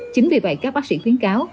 chính vì vậy các bác sĩ khuyến cáo